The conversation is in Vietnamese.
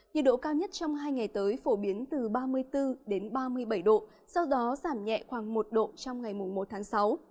nhiệt độ cao nhất trong hai ngày tới phổ biến từ ba mươi bốn đến ba mươi bảy độ sau đó giảm nhẹ khoảng một độ trong ngày một tháng sáu